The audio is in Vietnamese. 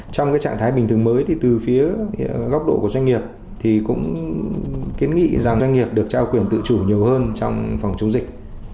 trong cái trạng thái bình thường mới thì từ phía góc độ của doanh nghiệp thì cũng kiến nghị rằng doanh nghiệp được trao quyền tự chủ nhiều hơn trong phòng chống dịch